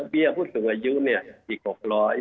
ผู้สูงอายุเนี่ยอีก๖๐๐บาท